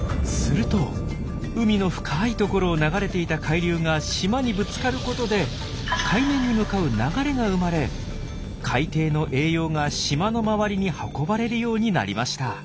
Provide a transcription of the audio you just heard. すると海の深いところを流れていた海流が島にぶつかることで海面に向かう流れが生まれ海底の栄養が島の周りに運ばれるようになりました。